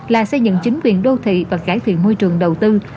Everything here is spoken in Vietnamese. là xây dựng chính quyền đô thị và cải thiện môi trường đầu tư